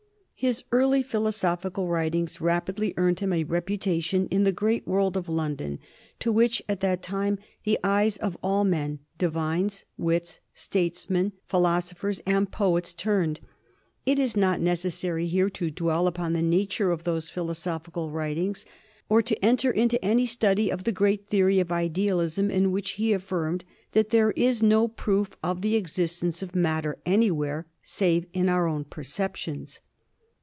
His early philosophical writings rapidly earned him a reputation in the great world of London, to which at that time the eyes of all men — divines, wits, statesmen, phi losophers, and poets — turned. It is not necessary here to dwell upon the nature of those philosophical writings, or to enter into any study of the great theory of idealism in which he affirmed that there is no proof of the existence of matter anywhere save in our own perceptions.